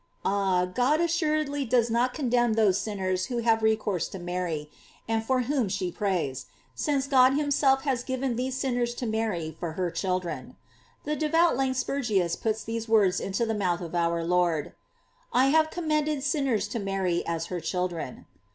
Ah, God assuredly does not condemn those sin ners who have recourse to Mary, and for whom ehe prays; since God himself has given these sinners to Mary for her children. The devout Lanspergius puts these words into the mouth of our Lord: I have commended sinners to Mary as her children.